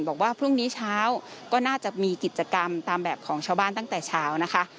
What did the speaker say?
บอกว่าพรุ่งนี้เช้าก็น่าจะมีกิจกรรมตามแบบของชาวบ้านตั้งแต่เช้านะคะ